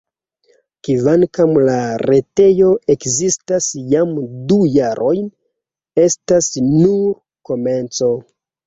Kvankam la retejo ekzistas jam du jarojn, estas nur komenco.